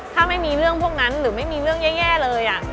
ถ้าไม่มีเรื่องพวกนั้นหรือไม่มีเรื่องแย่เลย